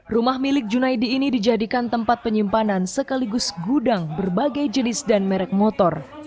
rumah milik junaidi ini dijadikan tempat penyimpanan sekaligus gudang berbagai jenis dan merek motor